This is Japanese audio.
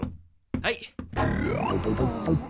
はい。